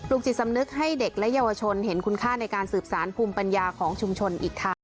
จิตสำนึกให้เด็กและเยาวชนเห็นคุณค่าในการสืบสารภูมิปัญญาของชุมชนอีกทาง